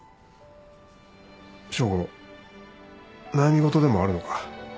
匠吾悩み事でもあるのか？